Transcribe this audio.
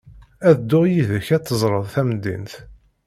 Ad dduɣ yid-k ad teẓreḍ tamdint.